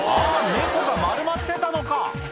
猫が丸まってたのか」